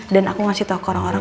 dan aku ngasih tau ke orang orang